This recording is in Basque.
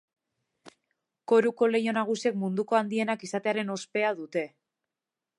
Koruko leiho nagusiek munduko handienak izatearen ospea dute.